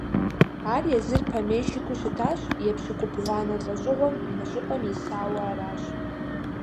Ар езыр помещикыу щытащ, епщыкӀубгъуанэ лӀэщӀыгъуэм мы щӀыпӀэм исауэ аращ.